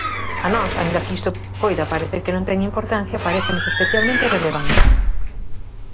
A nós, aínda que isto poida parecer que non ten importancia, parécenos especialmente relevante.